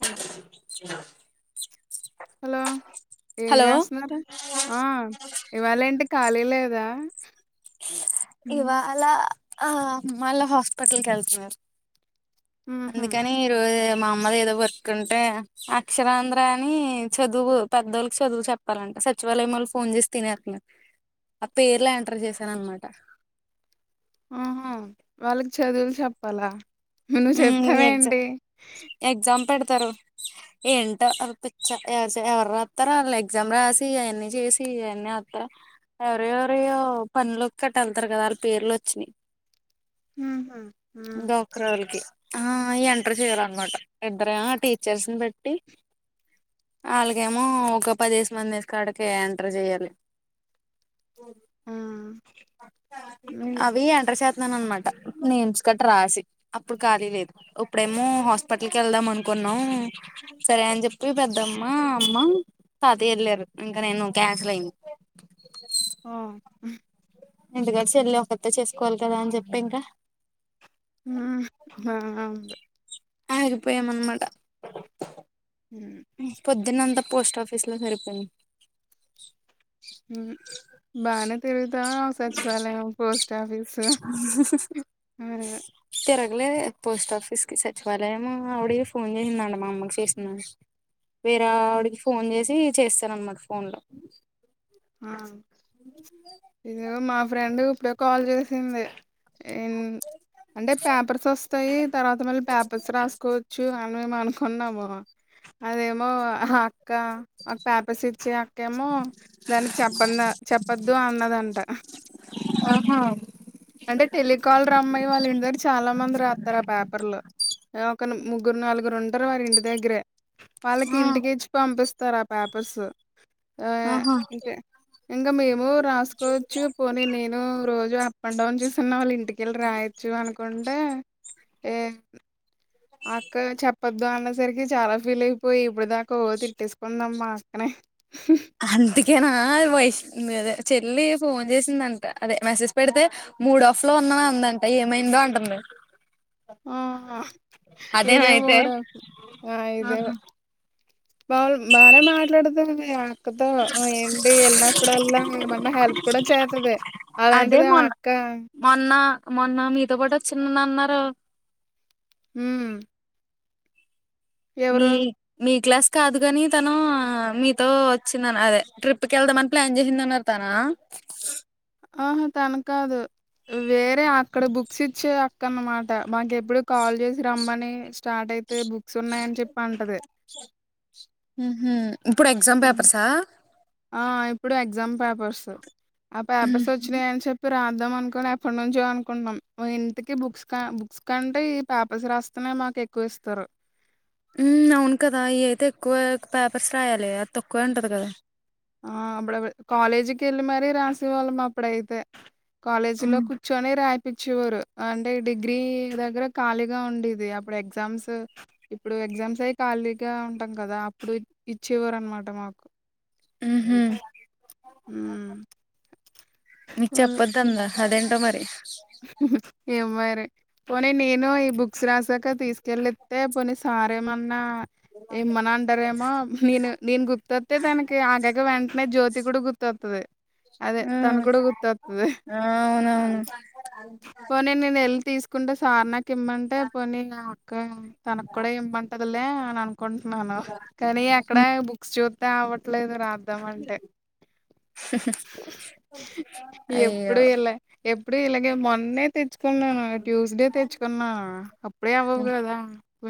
్యాంనా hello ఏం hello చేస్తున్నారు ఆ ఇవాళ ఏంటి ఖాళీ లేదా ఇవాళ ఆ మళ్ళా హాస్పిటల్కి వెళ్తున్నారు ఉహు అందుకని ర మా అమ్మది ఏదో వర్క్ంటే అక్షరాంధ్ర అని చదువు పెద్దోళ్ళకి చదువు చెప్పాలండి సచివాలయం వాళ్ళు ఫోన్ చేసి తిన అసను ఆ పేర్ ఎంటర్ చేస్త చన అమాట ఆహా వాళ్ళకి చదువులు చెప్పాలా నువ్ చెప్తావ అడి తారు ఏంటో పచ్చ ఎవరు ఎవరు రాస్తారా వాళ్ళ ఎగ్జామ్ రాసి అవన్నీ చేసి ఇవన్నీ వస్తారా ఎవర ఎవరిో పనులు కట వెళ్తారు కదా వాళ్ళ పేర్లు వచ్చినాయి డాక్టర్ హ వాళ్ళకి ఆ ఎంటర్ చెయ్యాల అన్నమాట ఇద్దర టీచర్స్ ని బట్టి వాళ్ళకేమో ఒక పదిేశ మంది వసు కాడికి ఎంటర్ చెయ్యాలి ఆ అవి ఎంంటష అనమాట నేను ఇంచుకట్రా రాసి అప్పుడు ఖాళీ లేదు ఇప్పుడేమో హాస్పిటల్ క వెళ్దాం అనుకుని సరే అని చెప్పి పెద్దమ్మ అమ్మ తాత వెళ్ళారు ఇంకా నేను ల ఆఓ ఎందుకలిసి వెళ్ళి ఒకరితో చేసుకోవాలి కదా అని చెప్పి ఇంకా హా అ ఆగిపోయామన్నమాట పొద్దున్నంత పోస్ట్ ఆఫిస్ లోరేపని బానే తిరుగుతావా సచివాలయం పోస్ట్ ఆఫీస్ అదే. తర అలే పోస్ట్ ఆఫీస్ కి సచివాలయం అవిడ ఫోన్ చేసిందండి మా అమ్మకి చేసిన వేరే ఆవిడికి ఫోన్ చేసి చేస్తాన అన్నమాట ఫోన్ లో ఆ ఇది మా ఫ్రెండ్ ఇప్పుడే కాల్ చేసింది ఏం అంటే పేపర్స్ వస్తాయి తర్వాత మళ్ళీ పేపర్స్ రాసుకోవచ్చు అని మేము అనుకు కొన్నాము అదేమో ఆ అక్క మా పేపర్స్ ఇచ్చి అక్కేమో దానికి చెప్ప చెప్పద్దు అన్నదంట ఆహా అంటే టెలికాల్ రమ్మ్య వాళ్ళు ఇంటిదర చాలా మంది రాస్తారు ఆ పేపర్ లో ఒక ముగ్గురు నాలుగురు ఉంటరు వారి ఇంటి దగ్గరే వాళ్ళకి ఆ ఇంటికిెచ్చి పంపిస్తారు ఆ పేపర్స్ ఆ ఆహా ఇంకా ఇంకా మేము రాసుకోవచ్చు పోని నేను రోజు ప ౌన్ చూసన్న వాళ్ళు ఇంటికెళ్ళి రాయొచ్చు అనుకుంటే ఏ అక్క చెప్పొద్దు అన్నసరికి చాలా ఫీల్ అయిపోయి ఇప్పుడు దాకా తిట్టేసుకుందమ్మా అక్కనే అంతకనా ఆ వయసుద చెల్లి ఫోన్ చేసిందంట అదే మెసేజ్ పెడితే మూడు ఆఫ్ లో ఉన్నా అందంట ఏమైందో అంటుంది ఆ అదేనా ఇదే అయితే మూడ ఆ ఇదే ఆహా బా బానే మాట్లాడుతుంది అక్కతో ఏంటి వెళ్ళినప్పుడల్లా ఏమన్నా హెల్ప్ కూడా చేతది అదే అలాంటిది ఆ మొన్న అక్క మొన్న మొన్న మీతో పాటు చిన్న అన్నారు హమ్ మీ మీ క్లాస్ కాదు కాని తను మీతో వచ్చింద అదే ట్రిప్ కి వెళ్దామని ప్లాన్ చేసింది అన్నారు తన ఆా తనకాదు వేరే అక్కడ బుక్స్ ఇచ్చే అక్కన అన్నమాట మాకు ఎప్పుడు కాల్ చేసి రమ్మని స్టార్ట్ అయితే బుక్స్ ఉన్నాయని చెప్పి అంటది ఇప్పుడు ఎగ్జామ్ హ్మ్. పేపర్సా ఆ ఇప్పుడు ఎగ్జామ్ పేపర్స్ ఆ పేపర్స్ ఉహు వచ్చినాయని చెప్పి రాద్దాం అనుకుని ఎప్పటి నుంచో అనుకుంటాం ఇంటికి బుక్స్ బుక్స్ కంటే ఈ పేపర్స్ రాస్తున్నా మాకు ఎక్కువ ఇస్తారు అవును కదా ఇ అయితే ఎక్కువ పేపర్స్ రాయాలి అది తక్కువ ఉంటంది కదా ఆ అప్పుడ కాలేజీకి వెళ్ళి మరీ రాసేవాళ్ళం అప్పుడైతే కాలేజీ లో కూర్చొని రా ూర్ అంటే డిగ్రీ దగ్గర ఖాళీగా ఉండేది అప్పుడు ఎగ్జామ్స్ ఇప్పుడు ఎగ్జామ్స్ అయి ఖాళీగా ఉంటాం కదా అప్పుడు ఇచ్చేవారు అనమాట మాకు హ హ్మ్. నకు చెప్పదుందా అదేంట మరి ఏమ పోనీ నేను ఈ బుక్స్ రాసాక తీసుకెళ్ళస్తతే పోని సార్ేమన్నా ఏమనా అంటారేమో నేను నేను గుర్తొస్తతే తననికి ఆగగా వెంటనే జ్యోతి కూడా గుర్తొ అదే తన ఉమ్ కూడాడ గుత్తతుంది ఆ అవునవును పోనీ నేను వెల్ళి తీసుకుంటే సార్ నాకి ఇమ్మంటే పోనీ అక్క తనకు కూడా ఇంమంటదిలే అని అనుకుంటున్నాను కానీ అక్కడ ఉమ్, బుక్స్ చూస్తే అవట్లేదు ప్రధం అంటే ఎప్పుడు అయ్యో ఇలా ఎప్పుడు ఇలాగే మొన్న తెచ్చుకున్నాను ట్యూస్డే తెచ్చుకున్నా అప్పుడే అవ్వవు ఉమ్ కదా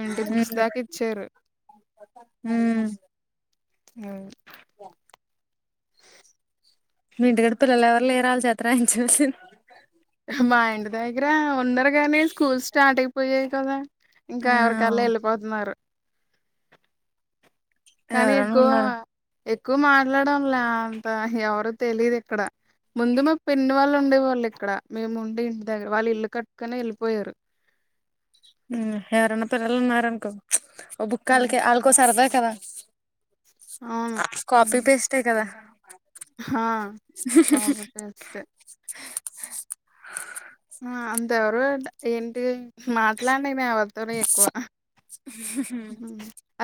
ఇంటి బుక్స్ దాకా ఇచ్చారు హ అ వ మీ ఇంటికాడ పిల్లలు ఎవరు లేరుళ్ళ చేత అంచిసింది మా ఇంటి దగ్గర ఉన్నారురు కాగాని స్కూల్ స్టార్ట్ అయిపోయాయి కదా ఆ ఇంకా ఎవరికల్లా వెళ్ళిపోతున్నారు కానీ ఎవరన్నా ఎక్కువ ఉన్నారు ఎక్కువ మాట్లాడంలే అంత ఎవరు తెలీదు ఇక్కడ ముందుమ పెన్ను వాళ్ళు ఉండే వాళ్ళు ఇక్కడ మేము ఉండి ఇంటి దగ్గర వాళ్ళు ఇల్లు కట్టుకనే వెళ్ళిపోయారు ఎవరన్న పల్ మార అన్కో ఒబ్బు ఉమ్, కల్కి ఆల్గసారదా కదా కాపీీ పేస్ట్ే కదా హా కాఫీ పేస్ట్ ఆ, అంతెవరు ఏంటి మాట్లాడి వత ఎక్కువ ఉమ్,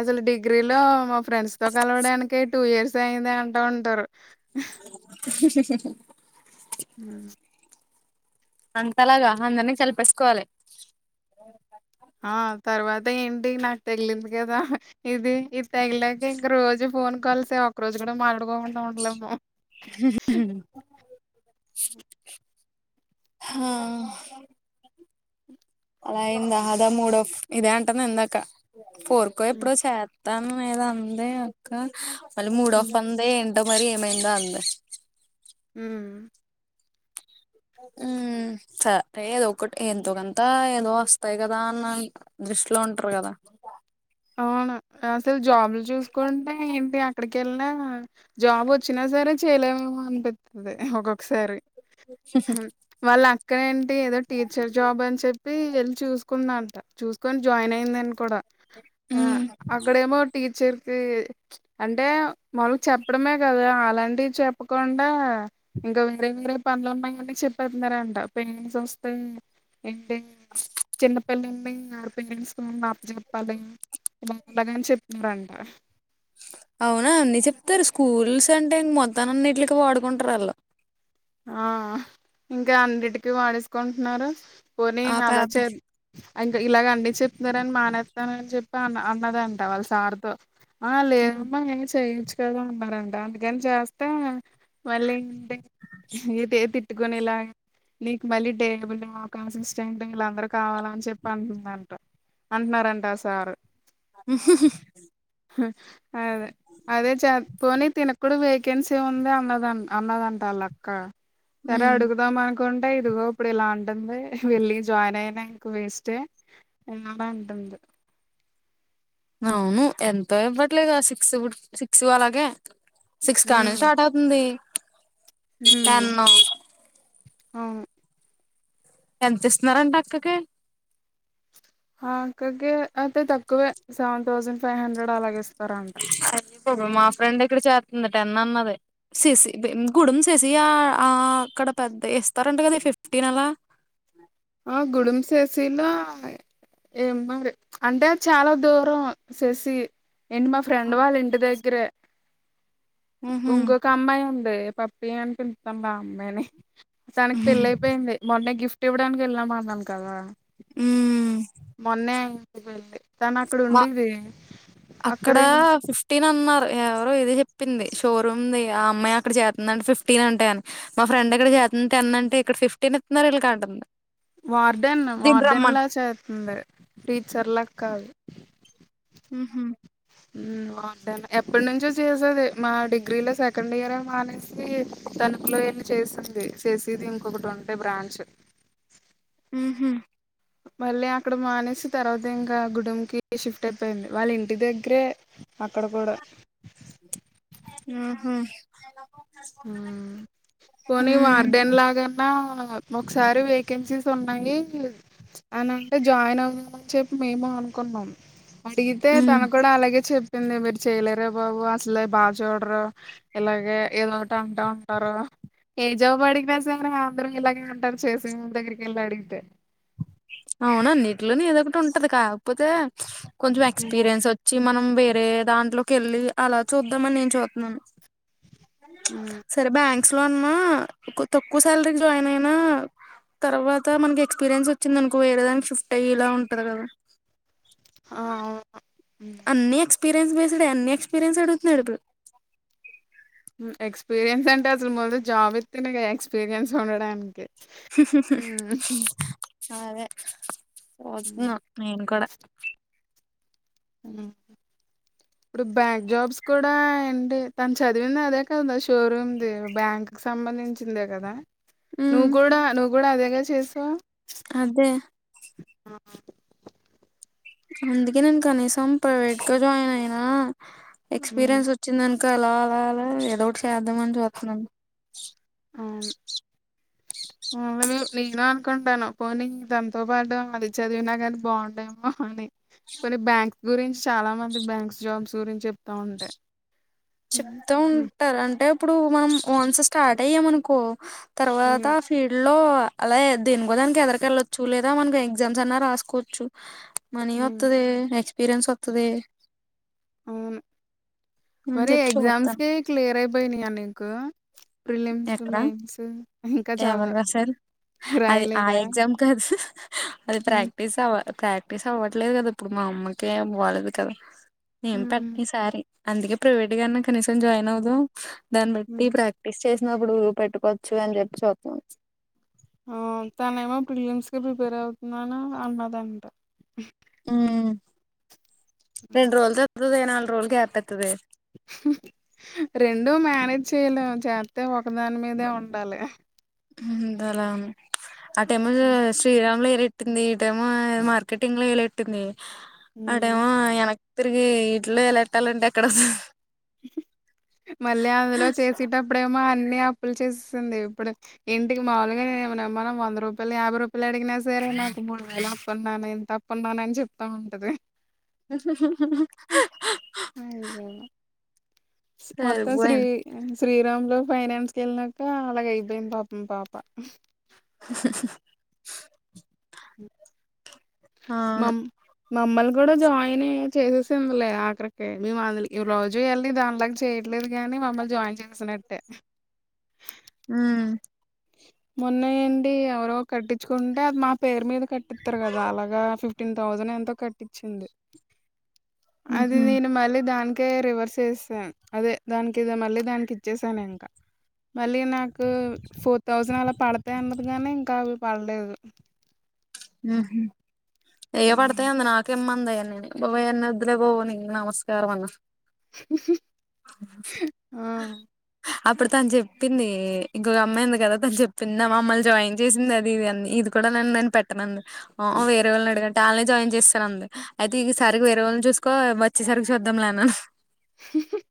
అసలు డిగ్రీలో ఫ్రెండ్స్ తో కలవడానికి టూ ఇయర్స్ అయింది అంటా ఉంటారు సషు సుషు హ అంతలాగా అందరినీ కలిపేసుకోవాలి ఆ తర్వాత ఏంటి నాకు తెగిలింది కదా ఇది ఇ తెగిలాక ఇంక రోజు ఫోన్ కాల్సే ఒక రోజు కూడా మాట్లాడుకోకుంటా ఉండలేమో హ హా అలాయిందా అదా మూడో ఇదే అంటాను ఇందాక ఫోర్కో హ్మ్. ఎప్పుడో చేయ మత్తాను ఏద అందే అక్క మళ్ళీ మూడోఫ్ హ్మ్. అందే ఏ అంత మరీ ఏమైందో అంద అ ఉ సరే ఏదో ఒకటి ఎంతోకంతా ఏదో వస్తాయి కదా అన్న దృష్టిలో ఉంటారు కదా అవునా అసలు జాబులు చూసుకుంటే ఏంటి అక్కడికి వెళ్ినా జాబ్ వచ్చినా సరే చేయలేమేమో అనిపిస్తుంది ఒొక్కసారి వాళ్ళు అక్కడ అే ఏదో టీచర్ జాబ్ అని చెప్పి వెళ్లిి చూసుకుంద అంట చూసుకొని జాయిన్ అయిందని కూడా ఆ ఉమ్ అక్కడమో టీచర్కి అంటే మాళకు చెప్పడమే కదా అలాంటివి చెప్పకుండా ఇంకా వేరే వేరే పనులు ఉన్నాంట చెప్పతున్నారా అంట ఇ ఎ సంస్థ ఏంటిడి చిన్నపిల్ల అండి ఆ పలిన్స్ నాప చెప్పాలి ఇ బండగాని చెప్పినారంట అవునా అన్ని చెప్తారు స్కూల్స్ అంటే ఇం మొత్తాన్నిన్నింటికి వాడుకుంటారు అలా ఆ ఇంకా అన్నిటికీ వాడేసుకుంటున్నారు పోనీ ఆ అాలచే పేపర్ ఇంకా ఇలాగ అన్నిీ చెప్తున్నారని మానేస్తానని చెప్పి అన్న అన్నదంట వాళ్ళ సార్తో ఆ లేదమ్మా ఏం చేయిచ్చు కదా అన్నారంట అందుకని చేస్తే మళ్ళీంటి ఇతే తిట్టుకని ఇలా నీకు మళ్ళీ టేబుల్ అవకాంశం ఇస్తేంటి వీళ్ళ అందరు కావాల అని చెప్పి అంటుంద అంట అంటున్నారంట సార్ అదే అదే చ పోని తినకుడ వేకెన్సీ ఉంది అన్నద అన్నదంట వాళ్ళ క్క సర ఉమ్ అడుకుదా మ ఇకుంటే ఇదిగో ఇప్పుడు ఇలా ఉంటుంది వెళ్ళి జాయిన్ అయినా ఇంక వేస్ే అంటంది అవును ఎంతో ఇవ్వట్లేదు సిక్స్ సిక్స్ అలాగే సిక్స్ కా ను ఉమ్ స్టార్ట్ అవుతుంది ఉమ్ తను అవును ఎంత ఇస్తున్నారంటడి అక్కకి అక్కకి అయితే తక్కువే సెవెన్ థౌజండ్ ఫైవ్ హండ్రెడ్ అలాగేస్తారా అంట అయ్య మా ఫ్రె ఇక్కడి చేర్తుందిట ఎ అన్నది ససి గుడుమ్ ససి ఆ అక్కడ పెద్ద ఇస్తారంట కదా ఫిఫ్టీన్ అలా ఆ గుడుమ్ సేసలా ఏం మరి అంటే చాలా దూరం ససి ఏంటి మా ఫ్రెండ్ వాళ్ళ ఇంటి దగ్గర ఉహు ఇంకొక అమ్మాయి ఉండ పప్పి అని పిుతాం బ అమ్మాయిని తనకి పెళ్ళయిపోయింది మొన్న గిఫ్ట్ ఇవ్వడానికి వెళ్ళామ అన్నాను కదా ఉమ్ మొన్నే వెళ్ళంది తను అక్కడ మా ఉండేది అక్కడ అక్కడై ఫిఫ్టీన్ అన్నారు ఎవరో ఇది చెప్పింది షోరూమ్ది ఆ అమ్మాయి అక్కడ చేతుందింటే ఫిఫ్టీన్ అంటే అని మా ఫ్రెండ్ అక్కడ చే అంత ఎ అంటే ఇక్కడ ఫిఫ్టీన్ ఎత్తున్నారు ఇీలా కా అంటంది వార్డెన్ వార్డెన్ లా చేస్తుంది టీచర్ కాదు హ బాగుంటేన్న ఎప్పటి నుంచో చేసేది మా డిగ్రీలో సెకండ్ ఇయర్ మానేసి తణుపులో ఏన్న చేస్తుంది చేసేది ఇంకొకటి ఉంటే బ్రాంచ్ ఉహ మళ్ళీ అక్కడ మానేసి తర్వాత ఇంకా గుడెంకిి షిఫ్ట్ అయిపోయింది వాళ్ళ ఇంటి దగ్గరే అక్కడ కూడా ఉహు పోనీ ఉమ్ మార్డెన్ లాగాన్నా ఒకసారి వేకెన్సీస్ ఉన్నాయి అనింటే జాయిన్ అవ్వమని చెప్పి మేము అనుకున్నాం అడిగితే ఉమ్ తన కూడా అలాగే చెప్ చెింది మీరు చేయలేరే బాబు అసలే బాగా చూడరు ఇలాగే ఏదో అంటా ఉంటారు ఏ జాబు అడిగినస్తేర ఆంందరం ఇలాగా ఉంటారు చేసి మ దగ్గరికి వెళ్లా అడిగితే అవునాన్నిీటిలోనే ఏదొకటి ఉంటది కాకపోతే కొంచెం ఎక్స్పీరియన్స్ వచ్చ వచ్చి మనం వేరే దాంట్లోకి వెళ్ళి అలా చూద్దామని నేను చూస్తున్నాను మ్మ్ సరే బ్యా లో అన్నా తక్కువ సాలరీ జాయిన్ అయినా తర్వాత మనకి ఎక్స్పీరియన్స్ వ చిిందనుకో వేరేదాని షిఫ్ట్ అయ్యే ఇలా ఉంటది కదా ఆ అవు అన్ని ఎక్స్పీరియన్స్ బేస్డ్ే అన్ని ఎక్స్పీరియన్స్ అడుగుతున్నాడు ఇప్పుడు ఎక్స్పీరియన్స్ అంటే అసలు ముందు జాబ్ ఇస్తిన ఎక్స్పీరియన్స్ ఉండడానికి హ అదే పోతున్నాం నేను కూడా అ ఇప్పుడు బ్యాంక్ జాబ్స్ కూడా ఏంటి తన చదివింది అదే కదా షోరూమ్ది బ్యాంక్ సంబంధించ ంచిందే కదా నువ్వు ఉమ్, కూడా నువ్వు కూడా అదేగా చేసావు అదే ఆ అందుకే నేను కనీసం ప్రైవేట్ గా జాయిన్ అయినా హ్మ్. ఎక్స్పీరియన్స్ వచ్చిందను ఇంకా అలా అలా అలా ఏదో ఒకటి చేద్దామని చూస్తున్నాం ఆ అ నేను అనుకుంటాను పోనీ తనతో పాటు అది చదివినా కానీ బాగుండేమో అని కొన్ని బ్యాంక్స్ గురించి చాలా మంది బ్యాంక్స్ జాబ్స్ గురించి చెప్తా ఉంటాయి హ్మ్. చెప్తూ హ్మ్. ఉంటారు అంటే ఇప్పుడు మనం ఓన్స్ స్టార్ట్ అయ్యాంనుకో తర్వాత హ్మ్. ఫీల్డ్ లో అలా దీని కూడా దానికి ఎదరికెళ్ళొచ్చు లేదా మనకి ఎగ్జామ్స్ అన్నా రాసుకోవచ్చు మనీ హ్మ్. వస్తుది ఎక్స్పీరియన్స్ వస్తుది అవును మరి చెప్పి చూస్తాను ఎగ్జామ్స్కి క్లియర్ అయిపోయినాయా నీకు ప్రిలిమ్స్ ఎక్కడ మెయిన్స్ ఇంకా చాలా ఎవరు రాసారు అది ఆ ఎగ్జామ్ కాదు అది హ్మ్. ప్రాక్టీస్ అవ ప్రాక్టీస్ అవ్వట్లేదు కదా ఇప్పుడు మా అమ్మకే బాలలేదు కదా ఏేం హ్మ్. పట్నిసారి అందుకే ప్రైవేట్ గన్నా కనీసం జాయిన్ అవుదాం దాన్ని హ్మ్. బట్టి ప్రాక్ చేసినప్పుడు పెట్టుకోవచ్చు అని చెప్పి చూద్దాం ఆ తన ఏమో ఫిలిమ్స్ క ప్రిపేర్ అవుతుందని అన్నదంట ఉ రెండు రోజులు వతుది నాలుగు రోజులుకి ఏపతుది రెండూ మేనేజ్ చేయలే చేస్తే ఒకదాని మీదే ఉండాలి లా ఆ టై శ్రీరాములు ఎట్టింది ఈ టైమ్ మార్కెటింగ్ లో వలట్టింది అ తిరిగి ఇంట్లో ఎలాట్టాలంటడి అక్కడ మళ్ళీ అందులో చేసేటప్పుడేమో అన్ని అప్పులు చేస్తుంది ఇప్పుడు ఇంటికి మాములుగా ఏమ మ వంద రూపాయలు యాభై రూపాయలు అడిగినా సరే నాటి మూడు వేల అప్పండానా ఇంత అప్పంన్నానా అని చెప్తా ఉంటది మత్త శ్రీ సరిపోయింది శ్రీరామ్ లో ఫైనాన్స్ క వెళ్ళాక అలాగ అయిపోయింది పాపం పాప అవును మమ్ మమ్మల్ని కూడా జాయిన్య చేసేసిందిలే ఆఖరికే మే అజ జూయల్ని దానిలాగా చేయట్లేదు గాని మమ్మల్ని జాయిన్ చేసినట్టే హ మొన్నయండి ఎవరో కట్టించుకుంటే అది మా పేరు మీద కట్టిస్తారు కదా అలాగగా ఫిఫ్టీన్ థౌసండ్ ఎ కట్టించింది అది ఉహు నేను మళ్ళీ దానికి ఇంకే రివర్స్ చేసాను అదే దానికి ఇద మళ్ళీ దానికి ఇచ్చేసాను ఇంకా మళ్ళీ నాకు ఫోర్త్ థౌసండ్ అలా పడతాయి అన్నది కాగానీ ఇంకా అవి పడలేదు ఏ పడతే అంద నాక అమ్మా ఉందాయ బాబా ఎన్న ఇద్ద్రే పోవ న నమస్కారం అన్న ఆ అప్పుడు తను చెప్పింది ఇంకొక అమ్మాయింది కదా తను చెప్పింది మమ్మల్ని జాయిన్ చేసింది అది ఇది అ ఇది కూడా నంద ప వేరే వాళ్ళు అడిగంటే వాళ్ళనే జాయిన్ చేస్తాారు అయితే ఈ సరిగకి వేరే వాళ్ళు చూసుకో వచ్చే సరి చూద్దాంలేనా